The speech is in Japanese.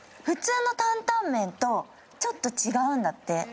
普通の坦々麺とちょっと違うんだって。